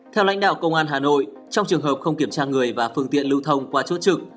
theo lãnh đạo công an hà nội trong trường hợp không kiểm tra người và phương tiện lưu thông qua chốt trực